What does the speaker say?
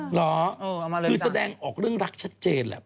เหรอคือแสดงออกเรื่องรักชัดเจนแหละ